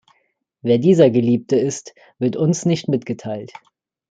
Wer dieser Geliebte ist, wird uns nicht mitgeteilt.